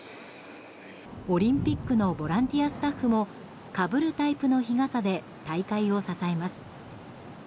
オリンピックのボランティアスタッフもかぶるタイプの日傘で大会を支えます。